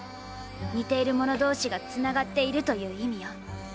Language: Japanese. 似ているもの同士がつながっているという意味よ。